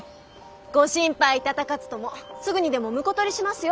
ご心配頂かずともすぐにでも婿取りしますよ。